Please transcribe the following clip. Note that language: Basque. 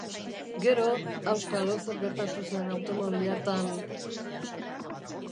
Gero, auskalo zer gertatu zen automobil hartan...